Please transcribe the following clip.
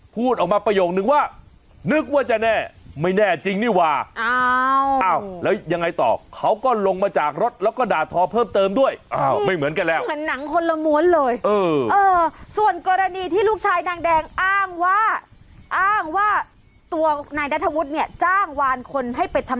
พูดออกมาประโยคนึงว่านึกว่าจะแน่ไม่แน่จริงนี่ว่า